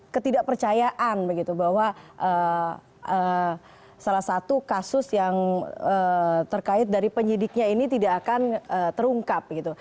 ketidakpercayaan begitu bahwa salah satu kasus yang terkait dari penyidiknya ini tidak akan terungkap gitu